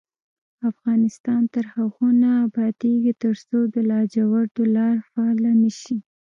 افغانستان تر هغو نه ابادیږي، ترڅو د لاجوردو لار فعاله نشي.